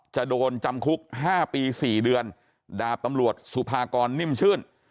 จะโดนจำคุก๕ปี๔เดือนดาบตำรวจสุภากรนิ่มชื่น